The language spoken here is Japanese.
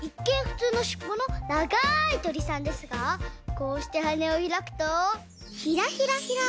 ふつうのしっぽのながいとりさんですがこうしてはねをひらくとヒラヒラヒラ。